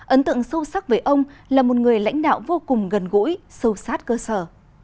ấn tượng sâu sắc về ông là một người lãnh đạo vô cùng gần gũi sâu sát cơ sở